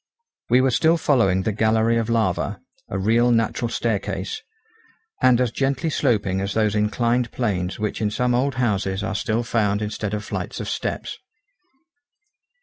We were still following the gallery of lava, a real natural staircase, and as gently sloping as those inclined planes which in some old houses are still found instead of flights of steps.